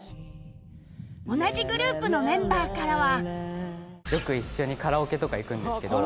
同じグループのメンバーからは